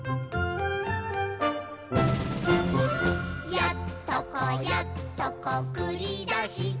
「やっとこやっとこくりだした」